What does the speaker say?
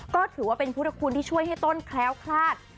ก็ถือว่าเป็นพุทธคุณที่ช่วยให้ต้นแคล้วคลาด